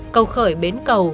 cầu khởi bến cầu